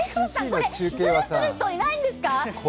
これ、ズルする人いないんですか？